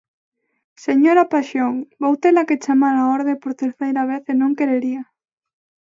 Señora Paxón, vou tela que chamar á orde por terceira vez e non querería.